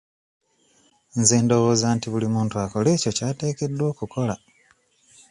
Nze ndowooza nti buli muntu akole ekyo ky'ateekeddwa okukola.